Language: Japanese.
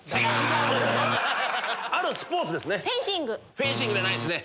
フェンシングじゃないっすね